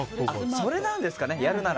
それなんですかね、やるなら。